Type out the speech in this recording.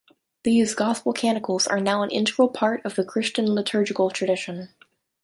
These "Gospel canticles" are now an integral part of the Christian liturgical tradition.